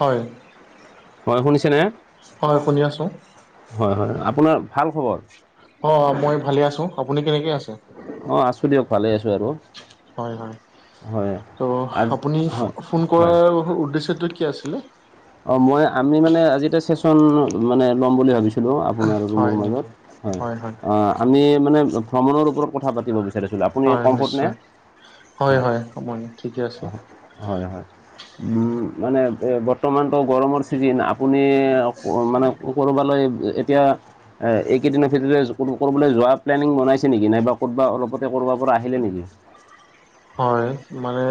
হয় হয়, শুনিছেনে? হয়, শুনি আছোঁ। হয়, হয়, আপোনাৰ ভাল খবৰ? অ', মই ভালে আছোঁ আপুনি কেনেকৈ আছে? অ', আছো দিয়ক ভালে আছো আৰু হয়, হয়। হয় ত' আজি আপুনি হয় ফোন হয় কৰাৰ উদ্দেশ্যটো কি আছিলে অ মই আমি মানে আজি এতিয়া চেচন মানে লম বুলি ভাবিছো এনেও আপোনাৰ আৰু মোৰ হয় মাজত নেকি অ হয় হয় অ আমি মানে ভ্ৰমণৰ ওপৰত কথা পাতিব বি ৰিছিলো আপুনি হয় কমফৰ্ট নে নিশ্চয় উ হয় হয় মই ঠিকে আছে অ হয় হয় মানে এ এপত বৰ্তমানতো গৰমৰ চিজিন আপুনি মানে ক'ৰবালৈ এতিয়া এইকেইদিনৰ ভিতৰতে কৰাবলৈ যোৱা প্লেনিং বনাইছে নেকি নাইবা ক'ৰবাত অলপতে কৰবাৰ পৰা আহিলে নেকি? হয়, মানে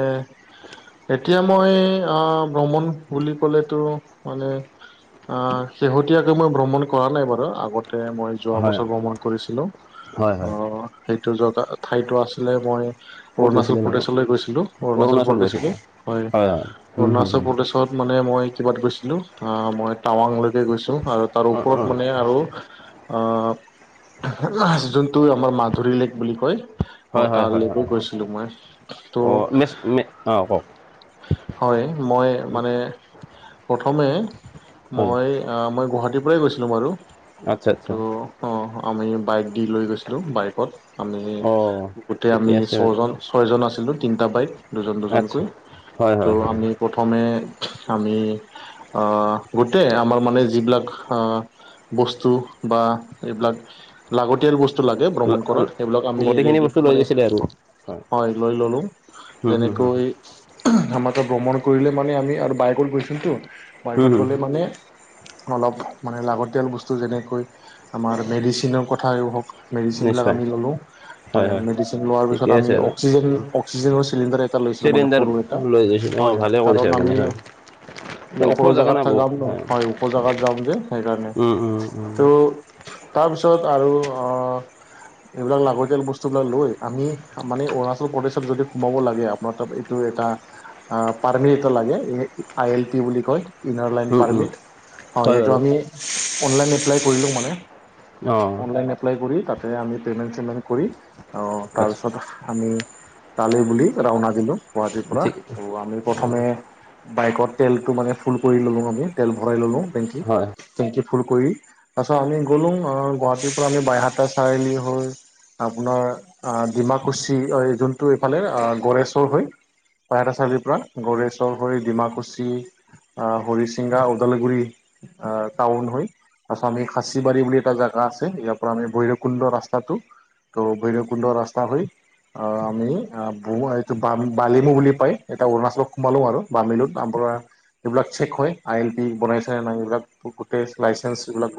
এতিয়া মই অ ভ্ৰমণ বুলি ক'লে তো মানে অ শেহতীয়াকৈ মই ভ্ৰমণ কৰা নাই বাৰু আগতে মই যোৱা হয় বছৰ ভ্ৰমণ কৰিছিলো হয় অ হয় সেইটো জগা ঠাইটো আছিলে মই ক'ত অৰুণাচল গৈছিলে বাৰু প্ৰদেশলৈ গৈছিলো অৰুণাচল প্ৰদেশলৈ হয় হুম হুম হুম অৰুণাচল প্ৰদেশ ত মই কিবাত গৈছিলো মই টাৱাংলৈ কে গৈছো আৰু তাৰ অঁ অঁ ওপৰত মানে আৰু অহ যোনটো আমাৰ মাধুৰী লেক বুলি কয় অ হয় হয় হয় তালৈকো হয় হয় গৈছিলোঁ মই অ ত' নেছ নে অ কওক হয়, মই মানে প্ৰথমে হয় মই অ মই গুৱাহাটীৰ পৰাই গৈছিলো বাৰু আচ্ছা আচ্ছা ত' অ আমি বাইক দি লৈ গৈছিলোঁ বাইকত আমি অঁ গোটেই ঠিকে আমি আছে বাৰু ছজন ছয়জন আছিলো তিনিটা বাইক দুজন আচ্ছা দুজনকৈ হয় ত' হয় হয় আমি প্ৰথমে আমি অহ গোটেই আমাৰ মানে যিবিলাক অহ বস্তু বা এইবিলাক লাগতিয়াল ব স্তু লাগে ভ্ৰমণ কৰাত সেইবিলাক আমি গোটেইখিনি ৰেডি বস্তু লৈ মানে গৈছিলে আৰু হয় লৈ ল'লো। হুম হুম হুম হুম যেনেকৈ আমাৰ ত ভ্ৰমণ কৰিলে মানে আমি আৰু বাইকত গৈছোতো হুম হুম বাইকত হুম। গ'লে মানে অলপ মানে লাগতিয়াল বস্তু যেনেকৈ আমাৰ মেডিচিনৰ কথাই হওক মেডিচিনবিলাক নিশ্চয় আমি ল'লো হয় মেডিচিন লোৱাৰ পিছত ঠিকে আমি আছে আৰু অক্সিজেন অক্সিজেনৰ চিলিণ্ডাৰ এটা লৈছিলো মানে চিলিণ্ডাৰ সৰু এটা লৈ গৈছিল অঁ হয়, ভালে কৰিছে কাৰণ আপুনি আমি হয় ওখ ওপৰৰ জেগা না জেগাত বহুত যাম হয় ওপৰ জেগাত যাম যে সেইকাৰণে উম উম উম। ত তাৰপিছত আৰু এইবিলাক লাগতিয়াল বস্তুবিলাক লৈ আমি মানে অৰুণাচল প্ৰদেশত যদি সোমাব লাগে আপোনাৰ তাত এইটো এটা অ পাৰ্মিট এটা লাগে আই এল পি বুলি কয় ইনাৰ লাইন উম উম। পাৰ্মিট অ হয় সেইটো বাৰু আমি অনলাইন এপ্লাই কৰিলো মানে। অঁ অনলাইন এপ্লাই কৰি তাতে আমি পেমেণ্ট চিমেণ্ট কৰি অ', আচ্ছা তাৰপিছত আমি তালে বুলি ৰাওনা দিলো গুৱাহাটীৰ পৰা ঠিক ত' আমি প্ৰথমে বাইকত তেলটো মানে ফুল কৰি ললো আমি তেল ভৰাই ললো- হয় টেংকিত টেংকি ফুল কৰি তাৰ পিছত আমি গ'লো গুৱাহাটীৰ পৰা আমি বাইহাটা চাৰিআলি হৈ আপোনাৰ ডিমাকুছি এই যোনটো এইফালে গৰেছৰ হৈ বাইহাটা চাৰিআলি পৰা গড়েচৰ হৈ ডিমাকুচি হৰিচিংগা ওদালগুৰি অ', টাউন হৈ তাৰপাছত আমি খাচীবাৰী বুলি এটা জাগা আছে ইয়াৰ পৰা আমি ভৈৰৱকুণ্ড ৰাস্তাটো ত ভৈৰবকুণ্ড ৰাস্তা হৈ অহ আমি এইটো বালিমু বুলি পায় এতিয়া অৰুণাচলত সোমালো আৰু বাৰ্মিলুত তাৰ পৰা এইবিলাক চেক হয় আই এল পি বনাইছে নাই এইবিলাকো গোটেই লাইচেন্ঞ্চ এইবিলাক